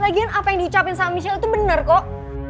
lagian apa yang diucapin sama michelle itu benar kok